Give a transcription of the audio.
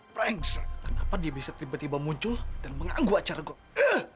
prangsa kenapa dia bisa tiba tiba muncul dan mengganggu acara gue